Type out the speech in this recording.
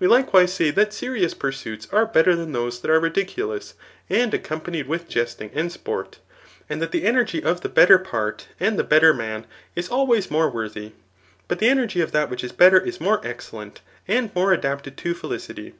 We likewise say that serious pursuits are better dian those that are ridiculous and accompanied with jesting and sport, and that the energy of the better part and the better man is always more worthy. But the energy of that which is better is more excellent, and more adapted to felicity.